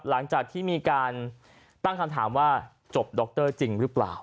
หลังจากที่มีการตั้งคำถามว่าจบดรจริงหรือเปล่า